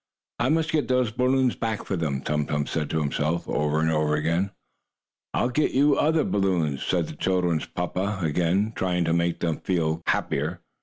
"I must get those balloons back for them," Tum Tum said to himself, over and over again. "I'll get you other balloons," said the children's papa again, trying to make them feel happier.